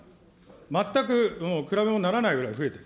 全くもう比べ物にならないぐらい増えている。